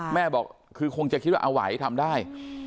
แม่บอกคือคงจะคิดว่าเอาไหวทำได้